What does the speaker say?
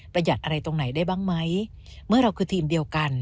หัดอะไรตรงไหนได้บ้างไหมเมื่อเราคือทีมเดียวกัน